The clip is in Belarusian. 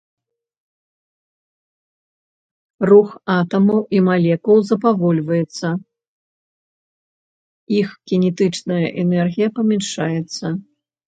Рух атамаў і малекул запавольваецца, іх кінетычная энергія памяншаецца.